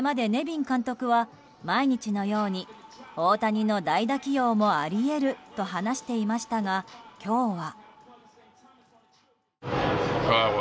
これまでネビン監督は毎日のように大谷の代打起用もあり得ると話していましたが、今日は。